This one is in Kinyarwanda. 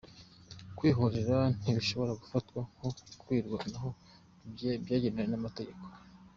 Kwihorera ntibishobora gufatwa nko kwirwanaho byemewe n’amategeko.